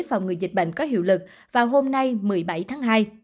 phòng ngừa dịch bệnh có hiệu lực vào hôm nay một mươi bảy tháng hai